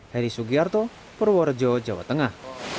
heri sugiarto purworejo jawa tengah